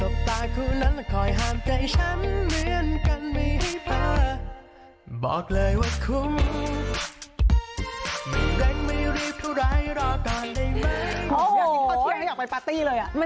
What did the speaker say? มันสนุกขนาดนั้นเลยใช่ไหมเชลลี่